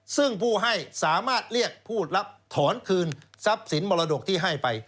ซึ่งผู้ให้สามารถเรียกผู้รับถอนคืนทรัพย์สินมรดกที่ให้ไป